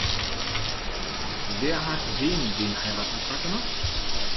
Wer hat wem den Heiratsantrag gemacht?